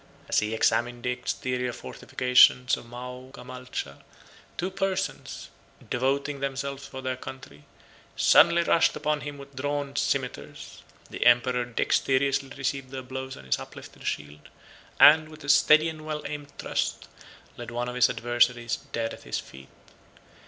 As he examined the exterior fortifications of Maogamalcha, two Persians, devoting themselves for their country, suddenly rushed upon him with drawn cimeters: the emperor dexterously received their blows on his uplifted shield; and, with a steady and well aimed thrust, laid one of his adversaries dead at his feet.